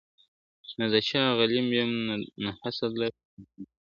نه د چا غلیم یم نه حسد لرم په زړه کي ..